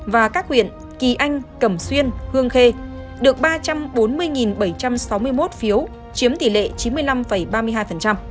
và các huyện kỳ anh cẩm xuyên hương khê được ba trăm bốn mươi bảy trăm sáu mươi một phiếu chiếm tỷ lệ chín mươi năm ba mươi hai